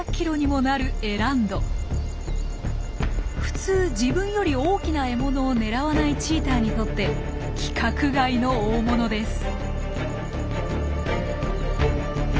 普通自分より大きな獲物を狙わないチーターにとって規格外の大物です。